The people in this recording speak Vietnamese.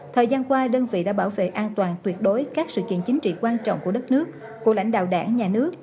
thời gian qua đơn vị đã bảo vệ an toàn tuyệt đối các sự kiện chính trị quan trọng của đất nước của lãnh đạo đảng nhà nước